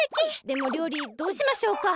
でもりょうりどうしましょうか。